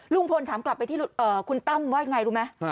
ลุงพลถามกลับไปที่คุณตั้มว่ายังไงรู้ไหม